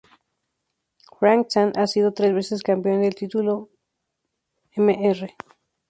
Frank Zane ha sido tres veces campeón del título Mr.